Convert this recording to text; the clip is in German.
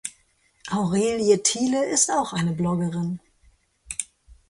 Aurelie Thiele ist auch eine Bloggerin.